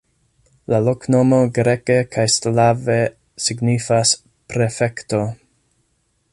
La loknomo greke kaj slave signifas "prefekto".